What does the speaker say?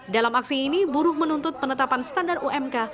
dalam aksi ini buruh menuntut penetapan standar umk